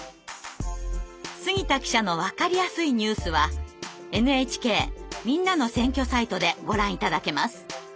「杉田記者のわかりやすいニュース」はＮＨＫ「みんなの選挙」サイトでご覧頂けます。